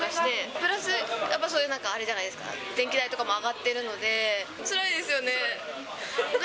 プラスやっぱそういう、あれじゃないですか、電気代とかも上がってるじゃないですか。